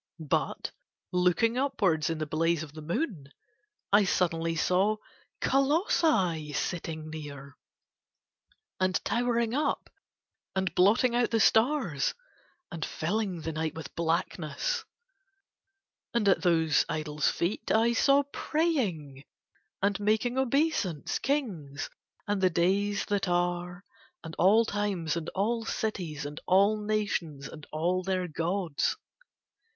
But looking upwards in the blaze of the moon I suddenly saw colossi sitting near, and towering up and blotting out the stars and filling the night with blackness; and at those idols' feet I saw praying and making obeisance kings and the days that are and all times and all cities and all nations and all their gods.